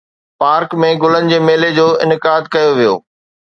Park ۾ گلن جي ميلي جو انعقاد ڪيو ويو.